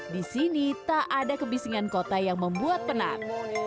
di sini tak ada kebisingan kota yang membuat penat